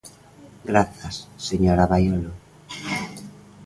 Grazas, señora Baiolo.